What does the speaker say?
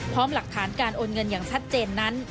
พร้อมหลักฐานการโอนเงินอย่างชัดเจนนั้น